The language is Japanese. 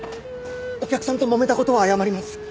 お客さんともめた事は謝ります。